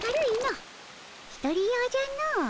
１人用じゃの。